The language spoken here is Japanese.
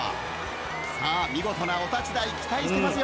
［さあ見事なお立ち台期待してますよ］